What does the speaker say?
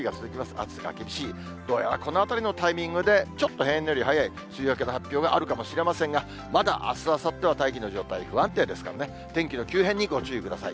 暑さが厳しい、どうやらこのあたりのタイミングで、ちょっと平年より早い梅雨明けの発表があるかもしれませんが、まだあす、あさっては大気の状態不安定ですからね、天気の急変にご注意ください。